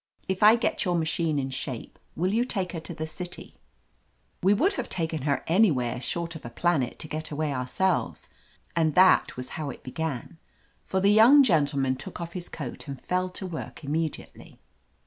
If I get your machine in shape, will you take her to the city ?" We would have taken her znywhtre short of a planet to get away ourselves, and that was how it began; for the young gentleman took 247 THE AMAZING ADVENTURES off his coat and fell to work immediately.